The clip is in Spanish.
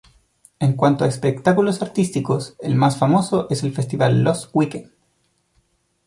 En cuanto a espectáculos artísticos, el más famoso es el festival Lost Weekend.